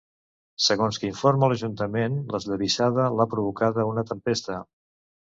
Segons que informa l’ajuntament, l’esllavissada l’ha provocada una tempesta.